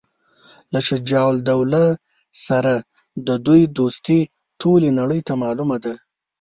له شجاع الدوله سره د دوی دوستي ټولي نړۍ ته معلومه ده.